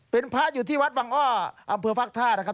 เป็นพระอยู่ที่วัดวังอ้ออำเภอฟักท่านะครับ